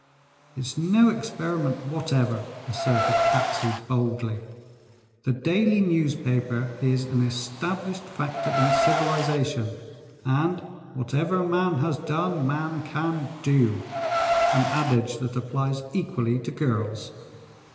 "It's no experiment whatever," asserted Patsy boldly. "The daily newspaper is an established factor in civilization, and 'whatever man has done, man can do' an adage that applies equally to girls."